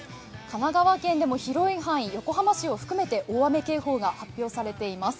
神奈川県でも広い範囲、横浜市を含めて大雨警報が発表されています。